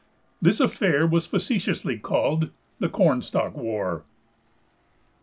This affair was facetiously called the "Cornstalk War."